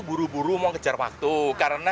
buru buru mau kejar waktu karena